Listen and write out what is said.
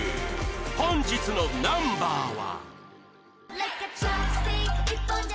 本日のナンバーは